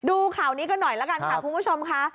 ดูข่าวนี้กันหน่อยละกันค่ะคุณผู้ชมค่ะ